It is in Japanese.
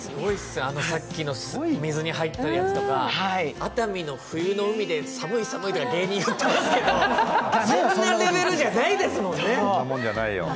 さっきの水に入ってるやつとか、熱海の冬の海で寒い、寒いとか芸人は言ってますけど、そんなレベルじゃないですもんね。